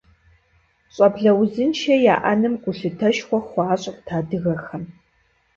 ЩӀэблэ узыншэ яӀэным гулъытэшхуэ хуащӀырт адыгэхэм.